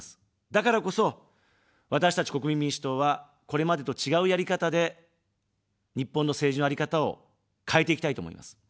だからこそ、私たち国民民主党は、これまでと違うやり方で日本の政治のあり方を変えていきたいと思います。